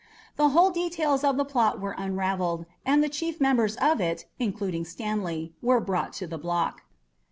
The whole details of the plot were unravelled, and the chief members of it, including Stanley, were brought to the block.